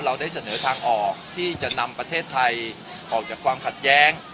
เราได้เสนอทางออกที่จะนำประเทศไทยออกจากความขัดแย้ง